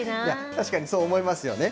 確かにそう思いますよね。